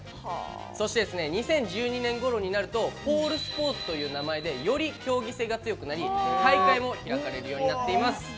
２０１２年ごろになるとポールスポーツという名前でより競技性が強くなり、大会も開かれるようになっています。